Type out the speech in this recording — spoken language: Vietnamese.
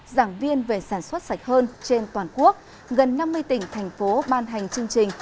giảng viên về sản xuất sạch hơn trên toàn quốc gần năm mươi tỉnh thành phố ban hành chương trình